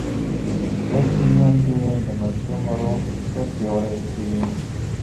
لوستې میندې د ماشوم روغ فکر پیاوړی کوي.